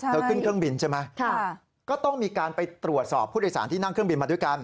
เธอขึ้นเครื่องบินใช่ไหมก็ต้องมีการไปตรวจสอบผู้โดยสารที่นั่งเครื่องบินมาด้วยกัน